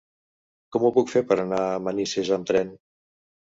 Com ho puc fer per anar a Manises amb tren?